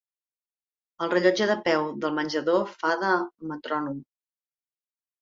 El rellotge de peu del menjador fa de metrònom.